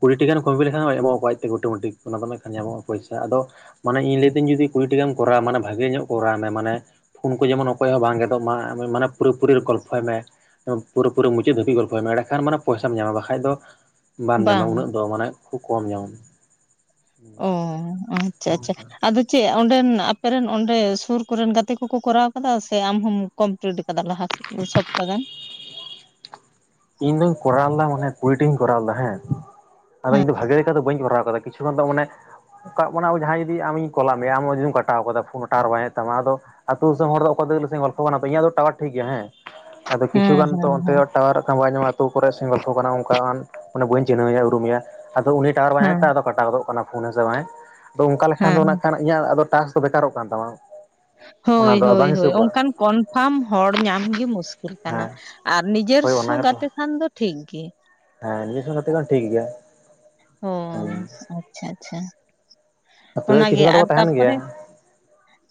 ᱠᱩᱲᱤ ᱴᱟ ᱜᱟᱱ ᱠᱚᱢᱯᱤᱞᱤᱴ ᱞᱮᱠᱷᱟᱱ ᱮᱢᱚᱜ ᱟᱠᱚ ᱟᱡ ᱛᱮ ᱚᱴᱳᱢᱮᱴᱤᱠ ᱚᱱᱟ ᱫᱚ ᱧᱟᱢᱚᱜᱼᱟ ᱯᱚᱭᱥᱟ ᱟᱫᱚ ᱢᱟᱱᱮ ᱤᱧ ᱞᱟᱹᱭ ᱫᱟᱹᱧ ᱡᱩᱫᱤ ᱠᱩᱲᱤ ᱴᱤᱜᱮᱢ ᱠᱚᱨᱟᱣ ᱵᱷᱮ ᱧᱚᱜ ᱠᱚᱨᱟᱣ ᱢᱮ ᱢᱟᱱᱮ ᱯᱷᱩᱱ ᱠᱚ ᱡᱮᱢᱚᱱ ᱚᱠᱚᱭ ᱦᱚᱸ ᱵᱟᱝ ᱜᱮ ᱢᱟ ᱢᱟᱱᱮ ᱯᱩᱨᱟᱹᱯᱩᱨᱤ ᱨᱮ ᱜᱚᱞᱯᱷᱚᱭ ᱢᱮ᱾ ᱯᱩᱨᱟᱹ ᱯᱩᱨᱤ ᱢᱩᱪᱟᱹᱫ ᱫᱷᱟᱹᱵᱤᱡ ᱜᱚᱞᱯᱷᱚᱭ ᱢᱮ ᱮᱰᱮ ᱠᱷᱟᱱᱮ ᱯᱚᱭᱥᱟᱢ ᱧᱟᱢᱟ ᱵᱟᱠᱷᱟᱱ ᱫᱚ ᱵᱟᱢ ᱧᱟᱢᱟ ᱵᱟᱝ ᱩᱱᱟᱹᱜ ᱫᱚ ᱢᱟᱱᱮ ᱠᱷᱩᱵ ᱠᱚᱢ ᱧᱟᱢ ᱚ ᱟᱪᱪᱷᱟ ᱟᱪᱪᱷᱟ ᱚᱝᱠᱟ ᱟᱫᱚ ᱪᱮᱫ ᱚᱸᱰᱮᱱ ᱟᱯᱮᱨᱮᱱ ᱚᱸᱰᱮ ᱥᱩᱨ ᱠᱚᱨᱮᱱ ᱜᱟᱛᱮ ᱠᱚᱠᱚ ᱠᱚᱨᱟᱣ ᱟᱠᱟᱫᱟ ᱥᱮ ᱟᱢ ᱦᱚᱢ ᱠᱚᱢᱯᱞᱤᱴ ᱠᱟᱫᱟ ᱞᱟᱦᱟᱥᱮᱫ ᱢᱤᱫ ᱥᱚᱯᱛᱜᱟᱱ ᱤᱧ ᱫᱚᱧ ᱠᱚᱨᱟᱣ ᱞᱮᱫᱟ ᱢᱟᱱᱮ ᱠᱩᱲᱤᱴᱤᱧ ᱠᱚᱨᱟᱣ ᱞᱮᱫᱟ ᱦᱮᱸ ᱟᱫᱚ ᱦᱮᱸ ᱤᱧ ᱫᱚ ᱵᱷᱟᱜᱮ ᱞᱮᱠᱟ ᱫᱚ ᱵᱟᱹᱧ ᱠᱚᱨᱟᱣ ᱠᱟᱫᱟ ᱠᱤᱪᱷᱩ ᱛᱚᱠᱷᱚᱱ ᱫᱚ ᱢᱟᱱᱮ ᱠᱟᱜ ᱢᱟᱱᱮ ᱡᱟᱦᱟᱸᱭ ᱡᱩᱫᱤ ᱟᱢᱤᱧ ᱠᱚᱞ ᱟᱫ ᱢᱮᱭᱟ ᱟᱢᱟᱜ ᱡᱩᱫᱤᱢ ᱠᱟᱴᱟᱣ ᱠᱟᱫᱟ ᱯᱷᱳᱱ ᱴᱟᱣᱟᱨ ᱵᱟᱭ ᱧᱟᱢᱮᱫ ᱛᱟᱢᱟ ᱟᱫᱚ ᱟᱹᱛᱩ ᱫᱤᱥᱚᱢ ᱦᱚᱲ ᱫᱚ ᱚᱠᱟᱭ ᱫᱚᱧ ᱜᱚᱞᱯᱚ ᱠᱟᱱᱟ ᱛᱚ ᱤᱧ ᱫᱚ ᱴᱟᱣᱟᱨ ᱴᱷᱤᱠ ᱜᱮᱭᱟ ᱦᱮᱸ ᱟᱫᱚ ᱠᱤᱪᱷ ᱦᱮᱸ ᱜᱟᱱ ᱛᱚ ᱦᱮᱸ ᱚᱱᱛᱮ ᱦᱮᱸ ᱴᱟᱣᱟᱨ ᱵᱟᱭ ᱧᱟᱢᱟ ᱟᱹᱛᱩ ᱠᱚᱨᱮ ᱥᱮᱜᱚᱞᱯᱷᱚ ᱠᱟᱱᱟ ᱚᱱᱠᱟᱱ ᱵᱟᱹᱧ ᱪᱤᱱᱦᱟᱹᱣ ᱮᱭᱟ ᱩᱨᱩᱢᱮᱭᱟ ᱟᱫᱚ ᱩᱱᱤ ᱴᱟᱣᱟᱨ ᱵᱟᱭ ᱦᱮᱸ ᱧᱟᱢᱮᱛᱟᱭ ᱟᱫᱚ ᱠᱟᱴᱟᱣ ᱜᱚᱫᱚᱜ ᱠᱟᱱᱟ ᱯᱷᱳᱱ ᱦᱮᱥᱮ ᱵᱟᱝ ᱟᱫᱚ ᱚᱱᱠᱟ ᱞᱮᱠᱷᱟᱱ ᱫᱚ ᱦᱮᱸ ᱠᱷᱟᱱ ᱤᱧᱟᱹᱜ ᱴᱟᱥᱠ ᱫᱚ ᱵᱮᱠᱟᱨᱚᱜ ᱠᱟᱱ ᱛᱟᱢᱟ ᱦᱳᱭ ᱚᱱᱟ ᱫᱚ ᱵᱟᱝ ᱦᱳᱭ ᱦᱳᱭ ᱦᱤᱥᱟᱹᱵᱚᱜᱼᱟ ᱚᱱᱠᱟᱱ ᱠᱚᱱᱯᱷᱟᱢ ᱦᱚᱲ ᱧᱟᱢ ᱜᱮ ᱢᱩᱥᱠᱤᱞ ᱠᱟᱱᱟ ᱦᱮᱸ ᱟᱨ ᱦᱳᱭ ᱱᱤᱡᱮᱨᱥᱚ ᱚᱱᱟ ᱜᱮᱛᱚ ᱜᱟᱛᱮ ᱠᱷᱟᱱ ᱫᱚ ᱴᱷᱤᱠ ᱜᱮ ᱦᱮᱸ ᱱᱤᱭᱟᱹ ᱥᱚᱸᱜᱮᱛᱮ ᱴᱷᱤᱠ ᱜᱮᱭᱟ ᱦᱚᱸ ᱦᱩᱸ ᱟᱪᱪᱷᱟ ᱟᱪᱪᱷᱟ ᱛᱟᱹᱣ ᱚᱱᱟᱜᱮ ᱠᱤᱪᱷᱩ ᱜᱟᱱ ᱟᱨ ᱫᱚᱠᱚ ᱛᱟᱦᱮᱱ ᱛᱟᱯᱚᱨᱮ ᱜᱮᱭᱟ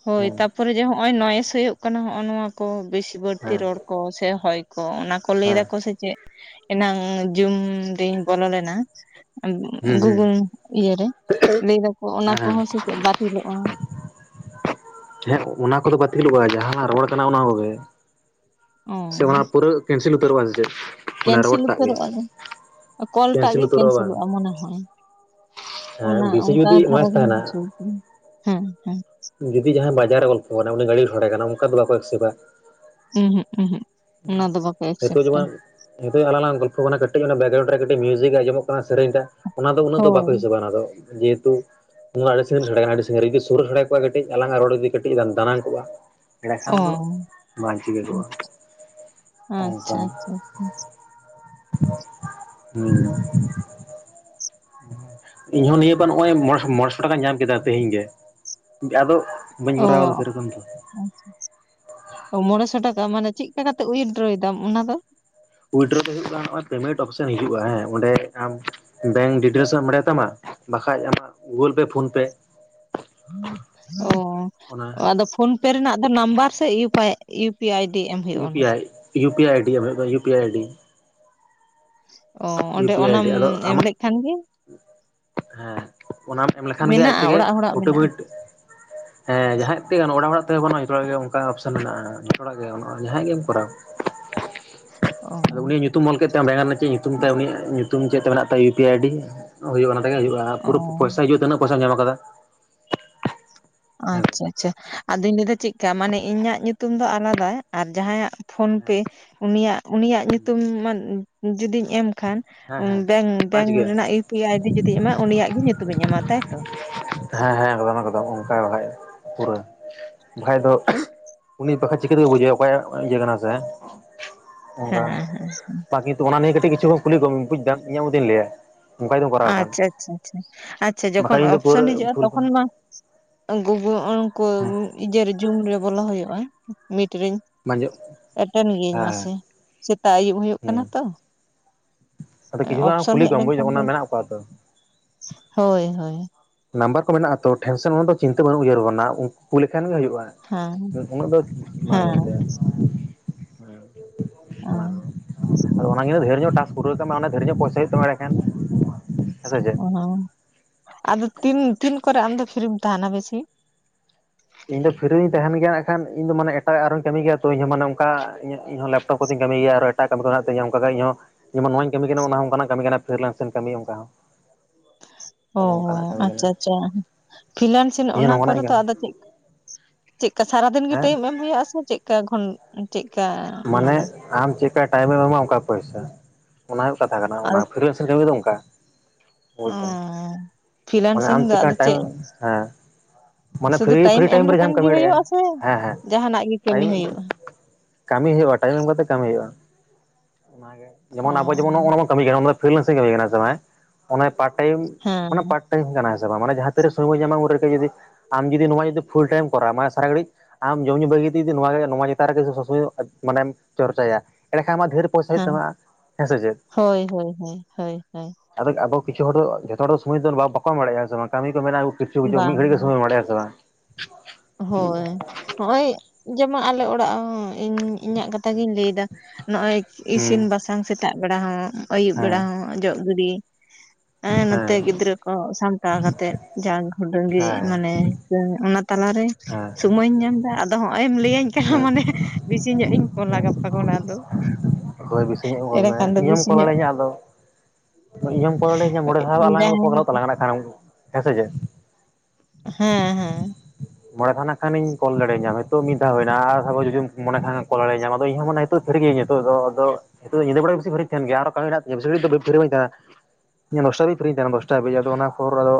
ᱦᱳᱭ ᱛᱟ ᱦᱩᱸ ᱛᱟᱯᱚᱨᱮ ᱡᱮ ᱦᱚᱜ ᱼᱚᱭ ᱱᱚᱭᱮᱥ ᱦᱚᱭᱚᱜ ᱠᱟᱱᱟ ᱦᱚᱜᱼᱚᱭ ᱱᱚᱣᱟ ᱠᱚ ᱵᱮᱥᱤ ᱵᱟᱹᱲᱛᱤ ᱦᱮᱸ ᱨᱚᱲ ᱠᱚ ᱥᱮ ᱦᱚᱭ ᱠᱚ ᱚᱱᱟ ᱠᱚ ᱞᱟᱹᱭ ᱦᱮᱸ ᱫᱟᱠᱚ ᱥᱮ ᱪᱮᱫ ᱮᱱᱟᱝ ᱡᱩᱢ ᱨᱤᱧ ᱵᱚᱞᱚ ᱞᱮᱱᱟ ᱦᱩᱸ ᱦᱩᱸ ᱜᱩᱜᱩᱞ ᱤᱭᱟᱹᱨᱮ ᱞᱟᱹᱭ ᱫᱟᱠᱚ ᱚᱱᱟ ᱦᱮᱸ ᱠᱚᱦᱚᱸ ᱥᱮ ᱪᱮᱫ ᱵᱟᱹᱛᱤᱞᱚᱜᱼᱟ ᱦᱮᱸ ᱚᱱᱟ ᱠᱚᱫᱚ ᱵᱟᱹᱛᱤᱞᱚᱜᱼᱟ ᱡᱟᱦᱟ ᱨᱚᱲ ᱠᱟᱱᱟ ᱚᱱᱟ ᱠᱚᱜᱮ ᱚ ᱥᱮ ᱚᱱᱟ ᱯᱩᱨᱟ. ᱠᱮᱱᱥᱮᱞ ᱩᱛᱟᱹᱨᱚᱜ ᱟ ᱥᱮ ᱪᱮᱫ ᱚᱱᱟ ᱨᱚᱲ ᱠᱮᱱᱥᱮᱞ ᱴᱟᱜ ᱜᱮ ᱩᱛᱟᱹᱨᱚᱜᱼᱟ ᱠᱚᱞᱴᱟᱜ ᱠᱮᱱᱥᱮᱞ ᱜᱮ ᱩᱛᱟᱹᱨᱚᱜᱼᱟ ᱵᱟᱝ ᱠᱮᱱᱥᱮᱞᱚᱜᱼᱟ ᱢᱚᱱᱮ ᱦᱚᱭ ᱦᱮᱸ ᱚᱱᱟ ᱵᱮᱥᱤ ᱚᱱᱠᱟ ᱡᱩᱫᱤ ᱫᱷᱟᱨᱟ ᱱᱚᱭᱮᱥ ᱜᱤᱧ ᱛᱟᱦᱮᱱᱟ ᱵᱩᱡᱷᱟᱹᱣ ᱠᱮᱫ ᱦᱮᱸ ᱦᱮᱸ ᱡᱩᱫᱤ ᱡᱟᱦᱟᱸᱭ ᱵᱟᱡᱟᱨ ᱨᱮ ᱜᱚᱞᱯᱚ ᱠᱟᱱᱟ ᱩᱱᱤ ᱜᱟᱹᱰᱤ ᱥᱟᱰᱮ ᱠᱟᱱᱟ ᱚᱱᱠᱟ ᱫᱚ ᱵᱟᱠᱚ ᱮᱠᱥᱮᱯ ᱟ ᱩᱸ ᱦᱩᱸᱜ ᱩ ᱦᱩᱸᱜ ᱳ ᱦᱮᱛᱳ ᱡᱮ ᱵᱟᱝ ᱱᱤᱛᱚᱜ ᱟᱞᱟᱝ ᱜᱚᱞᱯᱚ ᱠᱟᱱᱟ ᱠᱟᱹᱴᱤᱡ ᱚᱱᱟ ᱵᱮᱠᱜᱨᱟᱩᱱᱰ ᱨᱮ ᱠᱟᱴᱤᱡ ᱢᱤᱭᱩᱡᱤᱠ ᱮ ᱟᱸᱡᱚᱜ ᱠᱟᱱᱟ ᱥᱮᱨᱮᱧ ᱫᱟ ᱚᱱᱟ ᱫᱚ ᱩᱱᱟᱹᱜ ᱫᱚ ᱵᱟᱠᱚ ᱦᱳᱭ ᱦᱤᱥᱟᱹᱵᱽᱼᱟ ᱚᱱᱟ ᱡᱮᱦᱮᱛᱩ ᱱᱚᱭᱟ ᱟᱹᱰᱤ ᱥᱟᱺᱜᱤᱧ ᱨᱮ ᱥᱮᱰᱮ ᱠᱟᱱᱟ ᱟᱹᱰᱤ ᱥᱟᱺᱜᱤᱧ ᱨᱮ ᱡᱩᱫᱤ ᱥᱩᱨ ᱨᱮ ᱠᱟᱹᱴᱤᱡ ᱟᱞᱟᱝ ᱨᱚᱲᱮᱜ ᱡᱩᱫᱤ ᱫᱟᱱᱟᱝ ᱠᱚᱜᱼᱟ ᱾ ᱮᱸᱰᱮ ᱠᱷᱟᱱ ᱚ ᱫᱚ ᱵᱟᱝ ᱪᱤᱠᱟᱹ ᱡᱚᱜᱼᱟ ᱾ ᱟᱪᱪᱷᱟ ᱟᱪᱪᱷᱟ ᱟᱪᱷᱟ ᱾ (unintelligible) ᱦᱩᱸ ᱾ (unintelligible) ᱤᱧᱦᱚᱸ ᱱᱤᱭᱟᱹ ᱵᱟᱨ ᱱᱚᱜᱼᱚᱭ ᱢᱚ ᱢᱚᱬᱮ ᱥᱚ ᱴᱟᱠᱟᱧ ᱧᱟᱢ ᱠᱮᱫᱟ ᱛᱮᱦᱮᱧ ᱜᱮ, ᱡᱟᱫᱚᱼᱼ ᱵᱟᱹᱧ ᱠᱚᱨᱟᱣᱫᱟ ᱥᱮᱨᱚᱠᱚᱢ ᱫᱚ ᱾ ᱟᱪᱪᱷᱟ ᱢᱚᱬᱮ ᱥᱚ ᱴᱟᱠᱟ ᱢᱟᱱᱮ ᱪᱮᱫ ᱞᱮᱠᱟ ᱠᱟᱛᱮ ᱩᱭᱤᱫᱽᱰᱨᱚᱭᱮᱫᱟᱢ ᱚᱱᱟ ᱫᱚ? ᱩᱭᱤᱫᱽᱰᱨᱚ ᱫᱚ ᱦᱩᱭᱩᱜ ᱠᱟᱱᱟ ᱱᱚᱜᱼᱚ ᱯᱮᱢᱮᱱᱴ ᱚᱯᱥᱮᱱ ᱦᱤᱡᱩᱜᱼᱟ, ᱦᱮᱸ ᱚᱸᱰᱮ ᱟᱢ ᱵᱮᱝᱠ ᱰᱤᱴᱮᱞᱥ ᱮᱢ ᱵᱟᱲᱟᱭᱛᱟᱢᱟ ᱾ ᱵᱟᱠᱷᱟᱡ ᱟᱢᱟᱜ ᱜᱩᱜᱳᱞ ᱯᱮ, ᱯᱷᱳᱱ ᱯᱮ ᱾ ᱚᱱᱟ ᱚ ᱟᱫᱚ ᱯᱷᱳᱱ ᱯᱮ ᱨᱮᱱᱟᱜ ᱫᱚ ᱱᱟᱢᱵᱟᱨ ᱥᱮ U pay U U P I D ᱮᱢ ᱤᱭᱩ ᱦᱩᱭᱩᱜᱼᱟ? P I U P ID ᱚᱱᱟᱫᱚ ᱤᱭᱩ ᱯᱤ ᱟᱭᱰᱤ ᱾ ᱚ ᱤᱭᱩ ᱚᱸᱰᱮ ᱯᱤ ᱟᱭ ᱚᱱᱟᱢ ᱟᱭᱰᱤ ᱟᱫᱚ ᱮᱢ ᱟᱢᱟᱜ ᱞᱮᱠᱷᱟᱱ ᱜᱮᱼᱺ ᱦᱮᱸ, ᱚᱱᱟᱢ ᱮᱢ ᱞᱮᱠᱷᱟᱱ ᱜᱮ ᱟᱡ ᱢᱮᱱᱟᱜᱼᱟ ᱛᱮᱜᱮ ᱚᱲᱟᱜ ᱦᱚᱲᱟᱜ ᱢᱮᱱᱟᱜᱼᱟ ᱚᱴᱳᱢᱮᱴᱼᱼ ᱦᱮᱸ ᱡᱟᱦᱟᱸᱭᱟᱜ ᱛᱮᱜᱮ ᱜᱟᱱᱚᱜ ᱚᱲᱟᱜ ᱦᱚᱲᱟᱜ ᱛᱮᱦᱚᱸ ᱵᱟᱹᱱᱩᱜᱼᱟ ᱡᱚᱛᱚᱣᱟᱜ ᱜᱮ ᱚᱱᱠᱟ ᱚᱯᱥᱮᱱ ᱢᱮᱱᱟᱜᱼᱟ, ᱡᱚᱛᱚ ᱦᱚᱲᱟᱜ ᱜᱮ ᱡᱟᱦᱟᱸᱭ ᱜᱮᱢ ᱠᱚᱨᱟᱣᱟ ᱾ ᱚ ᱾ ᱟᱫᱚ ᱩᱱᱤᱭᱟᱜ ᱧᱩᱛᱩᱢ ᱚᱞ ᱠᱮᱫ ᱛᱟᱭ ᱵᱮᱸᱜᱟᱱ ᱨᱮᱱᱟᱜ ᱪᱮᱫ ᱧᱩᱛᱩᱢ ᱛᱟᱭ ᱩᱱᱤᱭᱟᱜ ᱧᱩᱛᱩᱢ ᱪᱮᱫ ᱛᱮ ᱢᱮᱱᱟᱜ ᱛᱟᱭ ᱤᱭᱩ ᱯᱤ ᱟᱭᱰᱤᱼᱼ ᱦᱩᱭᱩᱜᱼᱟ ᱱᱚᱰᱮ ᱜᱮ ᱦᱤᱡᱩᱜᱼᱟ ᱚ ᱯᱩᱨᱟᱹ ᱯᱚᱭᱥᱟ ᱦᱤᱡᱩᱜᱼᱟ ᱛᱤᱱᱟᱹᱜ ᱯᱚᱭᱥᱟᱢ ᱧᱟᱢ ᱟᱠᱟᱫᱟ ᱾ ᱟᱪᱪᱷᱟ ᱟᱪᱪᱷᱟ ᱟᱫᱚᱧ ᱞᱟᱹᱭᱫᱟ ᱪᱮᱫᱠᱟ ᱢᱟᱱᱮ ᱤᱧᱟᱹᱜ ᱧᱩᱛᱩᱢ ᱫᱚ ᱟᱞᱟᱫᱟ ᱟᱨ ᱡᱟᱦᱟᱸᱭᱟᱜ ᱯᱷᱳᱱ ᱯᱮᱼᱼ ᱦᱮᱸ ᱩᱱᱤᱭᱟᱜ, ᱩᱱᱤᱭᱟᱜ (unintelligible) ᱧᱩᱛᱩᱢ ᱡᱩᱫᱤᱧ ᱮᱢ ᱠᱷᱟᱱᱼᱼ ᱦᱮᱸ ᱦᱮᱸ ᱵᱮᱝ ᱯᱟᱸᱪ ᱵᱮᱝ ᱜᱮ ᱨᱮᱱᱟᱜ ᱤᱭᱩ ᱯᱤ ᱟᱭ ᱟᱭᱰᱤ ᱡᱩᱫᱤ ᱮᱢᱟᱭ ᱩᱱᱤᱭᱟᱜ ᱜᱮ ᱧᱩᱛᱩᱢᱤᱧ ᱮᱢᱟ ᱛᱟᱭᱛᱚ ᱾ ᱦᱮᱸ ᱦᱮᱸ ᱮᱠᱫᱚᱢ ᱮᱠᱫᱚᱢ ᱚᱝᱠᱟ ᱚᱞ ᱦᱳᱭᱩᱜᱼᱟ ᱯᱩᱨᱟᱹ ᱾ ᱵᱟᱠᱷᱟᱡ ᱫᱚ (unintelligible) ᱩᱱᱤ ᱵᱟᱠᱷᱟᱡ ᱪᱤᱠᱟᱹ ᱛᱮᱠᱚ ᱵᱩᱡᱮᱭᱟ ᱚᱠᱚᱭᱟᱜ ᱤᱭᱟᱹ ᱠᱟᱱᱟ ᱦᱮᱸ ᱥᱮ ᱾ (unintelligible) ᱦᱮᱸ ᱚᱱᱠᱟ ᱦᱮᱸ ᱛᱟ ᱠᱤᱱᱛᱩ ᱚᱱᱟ ᱱᱤᱭᱮ ᱠᱟᱹᱴᱤᱡ ᱠᱤᱪᱷᱩᱢ ᱠᱩᱞᱤ ᱠᱚᱢ ᱵᱩᱡᱽ ᱫᱟᱢ ᱤᱧᱟᱹᱜ ᱢᱚᱛᱤᱧ ᱞᱟᱹᱭᱟ ᱾ ᱟᱪᱪᱷᱟ ᱟᱪᱪᱷᱟ ᱟᱪᱪᱷᱟ, ᱡᱚᱠᱷᱚᱱ ᱵᱟᱠᱷᱟᱡ ᱤᱧ ᱫᱚ ᱯᱩᱨᱟᱹ ᱚᱯᱥᱮᱱ ᱦᱤᱡᱩᱜᱼᱟ ᱯᱷᱩᱞ ᱛᱚᱠᱷᱚᱱ ᱦᱮᱸ ᱢᱟᱼᱼ ᱜᱩ ᱜᱩ ᱩᱱᱠᱩ ᱤᱡᱮᱨ ᱡᱩᱢ ᱨᱮ ᱵᱚᱞᱚ ᱦᱩᱭᱩᱜᱼᱟ ᱢᱤᱴ ᱨᱤᱧᱼᱼ ᱵᱟᱝᱡᱚᱜ ᱮᱴᱮᱱ ᱜᱤᱭᱟᱹᱧ ᱦᱮᱸ ᱢᱟᱥᱮ, ᱥᱮᱛᱟᱜ ᱟᱹᱭᱩᱵ ᱦᱩᱭᱩᱜ ᱠᱟᱱᱟ ᱦᱮᱸ ᱛᱚ ᱾ ᱟᱫᱚ ᱮ ᱠᱤᱪᱷᱩ ᱜᱟᱱ ᱚᱯᱥᱮᱱ ᱠᱩᱞᱤ ᱦᱮᱡ ᱠᱚᱢ ᱵᱩᱡ ᱞᱮᱱᱠᱷᱟᱱ ᱫᱚ, ᱚᱱᱟ ᱢᱮᱱᱟᱜ ᱠᱚᱣᱟ ᱛᱚ ᱦᱳᱭ ᱦᱳᱭ ᱾ ᱱᱟᱢᱵᱟᱨ ᱠᱚ ᱢᱮᱱᱟᱜᱼᱟ ᱛᱚ ᱴᱷᱮᱱᱥᱮᱱ ᱚᱱᱟ ᱫᱚ ᱪᱤᱱᱛᱟᱹ ᱵᱟᱹᱱᱩᱜ ᱩᱭᱦᱟᱹᱨ ᱵᱟᱱᱟᱜ ᱩᱱᱠᱩ ᱠᱩᱞ ᱞᱮᱠᱷᱟᱱ ᱜᱮ ᱦᱩᱭᱩᱜᱼᱟ ᱾ ᱦᱮᱸ (unintelligible) ᱩᱱᱟᱹᱜ ᱫᱚ ᱵᱟᱝ ᱦᱮᱸ ᱜᱮᱭᱟ ᱾ ᱦᱩᱸ ᱵᱟᱸᱧ (unintelligible) ᱟᱫᱚ ᱚᱱᱟᱜᱤᱧ ᱞᱟ. ᱭ ᱫᱟ ᱰᱷᱮᱨ ᱧᱚᱜ ᱴᱟᱥᱠ ᱯᱩᱨᱟᱹᱣ ᱠᱟᱜ ᱢᱮ ᱚᱸᱰᱮ ᱰᱷᱮᱨ ᱧᱚᱜ ᱯᱚᱭᱥᱟ ᱦᱩᱭᱩᱜ ᱛᱟᱢᱟ ᱮᱸᱰᱮᱠᱷᱟᱱ ᱦᱮᱸ ᱥᱮ ᱪᱮᱫ ᱾ ᱚ, ᱟᱫᱚ ᱛᱤᱱ ᱛᱤᱱ ᱠᱚᱨᱮ ᱟᱢ ᱫᱚ ᱯᱷᱤᱨᱤᱢ ᱛᱟᱸᱦᱮᱱᱟ ᱵᱮᱥᱤ? ᱤᱧ ᱫᱚ ᱯᱷᱤᱨᱤᱧ ᱛᱟᱸᱦᱮᱱ ᱜᱮᱭᱟ ᱮᱱᱠᱷᱟᱱ ᱤᱧ ᱫᱚ ᱢᱟᱱᱮ ᱮᱴᱟᱜ ᱟᱨᱚᱧ ᱠᱟᱹᱢᱤ ᱜᱮᱭᱟ ᱛᱚ ᱤᱧᱦᱚᱸ ᱢᱟᱱᱮ ᱱᱚᱝᱠᱟ ᱤᱧᱦᱚᱸ ᱞᱮᱯᱴᱚᱯ ᱠᱚᱛᱤᱧ ᱠᱟᱹᱢᱤ ᱜᱮᱭᱟ ᱟᱨ ᱾ ᱮᱴᱟᱜ ᱠᱟᱹᱢᱤ ᱫᱚ ᱛᱮᱦᱮᱧ ᱛᱤᱧ ᱚᱝᱠᱟ ᱜᱮ ᱤᱧᱦᱚᱸ, ᱡᱮᱢᱚᱱ ᱱᱚᱣᱟᱧ ᱠᱟᱹᱢᱤ ᱠᱟᱱᱟ ᱚᱱᱟ ᱦᱚᱸ ᱚᱱᱠᱟᱱᱟᱜ ᱠᱟᱹᱢᱤ ᱠᱟᱱᱟ ᱯᱷᱨᱤᱞᱮᱱᱥ ᱨᱮᱧ ᱠᱟᱹᱢᱤ ᱚᱝᱠᱟ ᱦᱚᱸ ᱾ (inaudible) ᱚ ᱦᱚ ᱠᱟᱱᱟ ᱟᱪᱪᱷᱟ ᱟᱪᱪᱷᱟ, ᱯᱷᱤᱱᱮᱞᱥᱤᱞ ᱤᱧᱟᱹᱜ ᱚᱱᱟ ᱱᱚᱝᱠᱟᱱᱟᱜ ᱠᱚᱨᱮ ᱫᱚ ᱠᱟᱹᱢᱤ ᱟᱫᱚ ᱪᱮᱫᱼᱼ ᱪᱮᱫᱠᱟ ᱥᱟᱨᱟᱫᱤᱱ ᱜᱮ ᱦᱮᱸ ᱴᱟᱭᱤᱢ ᱮᱢ ᱦᱩᱭᱩᱜᱼᱟ ᱥᱮ ᱪᱮᱫᱠᱟ ᱜᱷᱚᱱ ᱪᱮᱫᱠᱟ? ᱚᱱᱟ ᱢᱟᱱᱮ ᱫᱚ ᱟᱢ ᱪᱮᱫᱠᱟ ᱴᱟᱭᱤᱢᱮᱢ ᱮᱢᱟ ᱚᱱᱠᱟ ᱯᱚᱭᱥᱟ, ᱚᱱᱟ ᱦᱩᱭᱩᱜ ᱠᱟᱛᱷᱟ ᱠᱟᱱᱟ ᱟᱫᱚ ᱚᱱᱟ ᱯᱷᱤᱨᱮᱥᱼᱼ ᱠᱟᱹᱢᱤ ᱫᱚ ᱚᱝᱠᱟᱼᱼ ᱵᱩᱡᱽᱫᱟᱢ, ᱢᱟᱱᱮ ᱯᱷᱤᱞᱟᱱᱥᱤᱝ ᱟᱢ ᱫᱚ ᱪᱤᱠᱟ ᱟᱫᱚ ᱪᱮᱫ ᱴᱟᱭᱤᱢ, ᱦᱮᱸᱼᱼ ᱢᱟᱱᱮ ᱥᱩᱫᱷᱩ ᱯᱷᱨᱤ ᱯᱷᱨᱤ ᱮᱢ ᱴᱟᱭᱤᱢ ᱨᱮᱢ ᱞᱮᱠᱷᱟᱱ ᱡᱟᱦᱟᱸᱢ ᱜᱮ ᱠᱟᱹᱢᱤ ᱦᱩᱭᱩᱜᱼᱟ ᱫᱟᱲᱮᱭᱟᱜᱼᱟ, ᱥᱮ ᱦᱮᱸ ᱦᱮᱸ ᱡᱟᱦᱟᱱᱟᱜ ᱜᱮ ᱠᱟᱹᱢᱤ ᱴᱟᱲᱤᱢᱼᱼ ᱦᱩᱭᱩᱜᱼᱟ ᱠᱟᱹᱢᱤ ᱦᱩᱭᱩᱜᱼᱟ ᱴᱟᱭᱤᱢ ᱮᱢ ᱠᱟᱛᱮᱜ ᱠᱟᱹᱢᱤ ᱦᱩᱭᱩᱜᱼᱟ, ᱚ ᱡᱮᱢᱚᱱ ᱟᱵᱚ ᱡᱮᱢ ᱱᱚᱜ ᱱᱟ (unintelligible) ᱠᱟᱹᱢᱤ ᱠᱟᱱᱟ ᱚᱱᱟ ᱫᱚ ᱯᱷᱨᱤᱞᱮᱱᱥᱤᱝ ᱠᱟᱹᱢᱤ ᱠᱟᱱᱟ, ᱦᱮᱸ ᱥᱮ ᱵᱟᱝ ᱦᱮᱸ? ᱟᱱᱮ ᱯᱟᱨᱴ ᱴᱟᱭᱤᱢ ᱦᱮᱸ ᱢᱟᱱᱮ ᱯᱟᱨᱴ ᱴᱟᱭᱤᱢ ᱠᱟᱱᱟ, ᱦᱮᱸ ᱥᱮ ᱵᱟᱝ? ᱢᱟᱱᱮ ᱡᱟᱦᱟᱸ ᱛᱤᱨᱮ ᱥᱚᱢᱚᱭ ᱵᱚᱱ ᱧᱟᱢᱟ ᱩᱱ ᱨᱮᱜᱮ ᱡᱩᱫᱤ ᱟᱢ ᱡᱩᱫᱤ ᱱᱚᱣᱟ ᱡᱩᱫᱤ ᱯᱷᱩᱞ ᱴᱟᱭᱤᱢ ᱠᱚᱨᱟᱣᱟ, ᱢᱟᱱᱮ ᱥᱟᱨᱟ ᱜᱷᱟᱹᱲᱤᱡ ᱟᱢ ᱡᱚᱢ ᱧᱩ ᱵᱟᱹᱜᱤ ᱠᱟᱛᱮᱜ ᱡᱩᱫᱤ ᱱᱚᱣᱟᱜᱮ ᱱᱚᱣᱟ ᱪᱮᱛᱟᱱ ᱨᱮᱜᱮ ᱥᱚᱵ ᱥᱚᱥᱚᱭ ᱟᱫ ᱢᱟᱱᱮᱢ ᱪᱚᱨᱪᱟᱭᱟ ᱮᱸᱰᱮ ᱠᱷᱟᱱ ᱟᱢᱟᱜ ᱫᱷᱮᱨ ᱦᱮᱸ, ᱦᱳᱭ ᱦᱳᱭ ᱦᱳᱭ ᱦᱳᱭ ᱦᱳᱭ᱾ ᱟᱫᱚ ᱟᱫᱚ ᱠᱤᱪᱷᱩ ᱦᱚᱲ ᱫᱚ ᱡᱷᱚᱛᱚ ᱦᱚᱲ ᱥᱚᱢᱚᱭ ᱫᱚ ᱚᱱᱮ ᱵᱟᱠᱚ ᱮᱢ ᱵᱟᱲᱮᱭᱟᱜᱼᱟ, ᱦᱮᱸ ᱥᱮ ᱵᱟᱝ? ᱠᱟᱹᱢᱤ ᱠᱚ ᱢᱮᱱᱟᱜ-ᱟ᱾ ᱠᱤᱪᱷᱩ ᱠᱤᱪᱷᱩ ᱢᱤᱫ ᱵᱟᱝ ᱜᱷᱟᱹᱲᱤᱡ ᱜᱮ ᱵᱟᱝ ᱥᱚᱢᱚᱭᱮᱢ ᱵᱟᱲᱮᱜ-ᱟ, ᱦᱮᱸ ᱥᱮ ᱵᱟᱝ? ᱦᱳᱭ, ᱦᱚᱸᱜᱼᱚᱭ ᱡᱮᱢᱚᱱ ᱟᱞᱮ ᱚᱲᱟᱜ ᱦᱚᱸ ᱤᱧ ᱤᱧᱟᱹᱜ ᱠᱟᱛᱷᱟ ᱜᱤᱧ ᱞᱟᱹᱭᱫᱟ᱾ ᱱᱚᱜᱼᱚᱭ ᱦᱩᱸ ᱤᱥᱤᱱ ᱦᱮᱸ ᱵᱟᱥᱟᱝ ᱥᱮᱛᱟᱜ ᱵᱮᱲᱟ ᱦᱚᱸ, ᱟᱭᱩᱵ ᱵᱮᱲᱟ ᱦᱮᱸ ᱦᱚᱸ, ᱚᱡᱚᱜ ᱜᱤᱰᱤ ᱮᱸ ᱱᱚᱛᱮ ᱜᱤᱫᱽᱨᱟᱹ ᱠᱚ ᱥᱟᱢᱴᱟᱣ ᱠᱟᱛᱮᱫ ᱡᱟᱝ ᱦᱩᱰᱝ ᱜᱮ ᱦᱮᱸ ᱢᱟᱱᱮ ᱩᱸ ᱚᱱᱟ ᱛᱟᱞᱟᱨᱮ ᱦᱮᱸ ᱥᱢᱚᱭᱤᱧ ᱧᱟᱢ ᱫᱟ, ᱟᱫᱚ ᱦᱚᱸᱜ-ᱚᱭ ᱮᱢ ᱞᱟᱹᱭᱟᱹᱤᱧ ᱠᱟᱱᱟ ᱦᱮᱸ ᱢᱟᱱᱮ ᱵᱤᱥᱤ ᱧᱚᱜ ᱤᱧ ᱯᱷᱳᱱᱟ ᱜᱟᱯᱟ ᱠᱷᱚᱱᱟᱜ ᱫᱚ᱾ ᱦᱚᱭ ᱵᱮᱥᱤ ᱧᱚᱜ ᱠᱚᱞ ᱮᱸᱰᱮ ᱢᱮ, ᱠᱷᱟᱱ ᱫᱚ ᱤᱧ ᱡᱚᱢ ᱵᱤᱥᱤ ᱠᱚᱞ ᱧᱚᱜ ᱫᱟᱲᱮᱭᱤᱧᱟ ᱟᱫᱚ᱾ ᱤᱧ ᱦᱚᱢ ᱠᱚᱞ ᱫᱟᱲᱮᱭᱤᱧᱟ ᱢᱚᱬᱮ ᱫᱷᱟᱣ ᱟᱞᱟᱝ ᱨᱚᱯᱚᱲ ᱡᱟᱦᱟᱸᱭ ᱜᱟᱱᱚᱜ ᱠᱟᱛᱮ ᱛᱟᱞᱟᱝᱟ ᱱᱟᱠᱷᱟᱱ, ᱦᱮᱸ ᱥᱮ ᱪᱮᱫ? ᱦᱮᱸ ᱦᱮᱸ᱾ ᱢᱚᱬᱮ ᱫᱷᱟᱣ ᱱᱟᱠᱷᱟᱱᱤᱧ ᱠᱚᱞ ᱫᱟᱲᱮᱭᱤᱧᱟᱢ, ᱦᱤᱛᱚᱜ ᱢᱤᱫ ᱫᱷᱟᱣ ᱦᱩᱭ ᱮᱱᱟ ᱟᱨ (unintelligible) ᱡᱩᱡᱩᱢ ᱢᱚᱱᱮ ᱠᱷᱟᱱ ᱠᱚᱞ ᱫᱟᱲᱮᱭᱤᱧᱟᱢ ᱟᱫᱚ ᱤᱧᱦᱚᱸ ᱢᱟᱱᱮ ᱛᱳᱜ ᱯᱷᱤᱨᱤ ᱜᱤᱭᱤᱧ ᱦᱤᱛᱚᱜ ᱫᱚ ᱟᱫᱚ ᱦᱤᱛᱳᱜ ᱫᱚ ᱧᱤᱫᱟᱹ ᱵᱮᱲᱟ ᱜᱮ ᱵᱤᱥᱤ ᱯᱷᱤᱨᱤᱧ ᱛᱟᱦᱮᱱ ᱜᱮᱭᱟ, ᱟᱨᱚ ᱠᱟᱹᱢᱤ ᱢᱮᱱᱟᱜ ᱛᱤᱧᱟ ᱵᱤᱥᱤ ᱜᱷᱟᱲᱤᱡ ᱫᱚ ᱵᱤ ᱯᱷᱤᱨᱤ ᱵᱟᱹᱧ ᱛᱟᱦᱮᱱᱟ᱾ ᱤᱧᱟᱹᱜ ᱫᱚᱥᱴᱟ ᱫᱷᱟᱵᱤᱡ ᱯᱷᱤᱨᱤᱧ ᱛᱟᱦᱮᱱᱟ ᱫᱚᱥᱴᱟ ᱦᱟᱵᱤᱡ, ᱟᱫᱚ ᱚᱱᱟ ᱯᱚᱨ ᱟᱫᱚ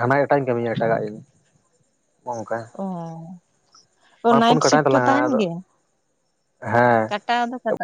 ᱦᱟᱱᱟ ᱮᱴᱟᱜᱤᱧ ᱠᱟᱹᱢᱤᱭᱟ ᱮᱴᱟᱜᱟᱜ ᱤᱧ᱾ ᱱᱚᱝᱠᱟ, ᱚ ᱛᱚ ᱢᱟ ᱯᱷᱳᱱ ᱱᱟᱭᱤᱴ ᱠᱟᱴᱟᱣᱮᱱ ᱥᱤᱯᱴ ᱦᱚᱸ ᱛᱟᱞᱟᱝᱟ ᱛᱟᱦᱮᱱ ᱟᱫᱚ, ᱦᱮᱸ᱾ ᱴᱟ ᱟᱫᱚ ᱠᱟᱴᱟᱜᱼᱼ